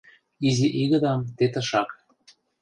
Изи игыдам те тышак